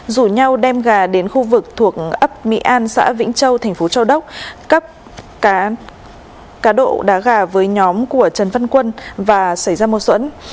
rủ nhau đem gà đến khu vực thuộc ấp mỹ an xã vĩnh châu tp châu đốc cắp cá độ đá gà với nhóm của trần văn quân và xảy ra một xuẩn